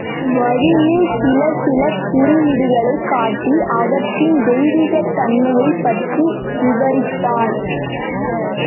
வழியில் சில சில குறியீடுகளைக் காட்டி அவற்றின் தெய்வீகத் தன்மையைப் பற்றி விவரித்தான்.